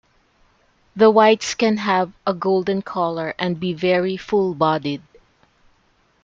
The whites can have a golden color and be very full bodied.